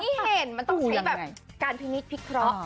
ที่เห็นมันต้องใช้แบบการพินิษฐพิเคราะห์